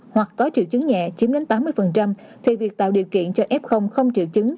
hoặc có triệu chứng nhẹ chiếm đến tám mươi thì việc tạo điều kiện cho f không triệu chứng